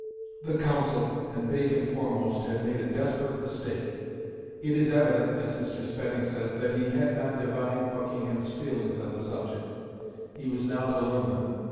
The Council, and Bacon foremost, had made a desperate mistake. "It is evident," as Mr. Spedding says, "that he had not divined Buckingham's feelings on the subject." He was now to learn them.